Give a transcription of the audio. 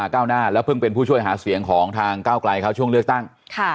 ก้าวหน้าแล้วเพิ่งเป็นผู้ช่วยหาเสียงของทางก้าวไกลเขาช่วงเลือกตั้ง